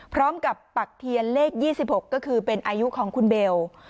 พร้อมกับปักเทียนเลขยี่สิบหกก็คือเป็นอายุของคุณเบล